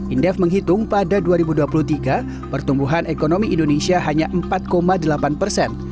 indef menghitung pada dua ribu dua puluh tiga pertumbuhan ekonomi indonesia hanya empat delapan persen